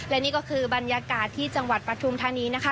และนี่ก็คือบรรยากาศที่จังหวัดปฐุมธานีนะคะ